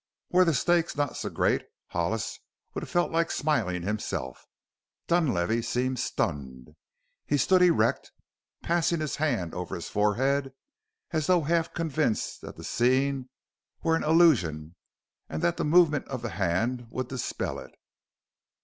Were the stakes not so great Hollis would have felt like smiling himself. Dunlavey seemed stunned. He stood erect, passing his hand over his forehead as though half convinced that the scene were an illusion and that the movement of the hand would dispel it.